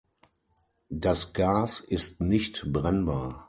Das Gas ist nicht brennbar.